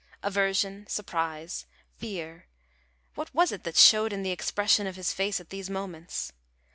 Aversion, surprise, fear what was it that showed in the expression of his face at these moments?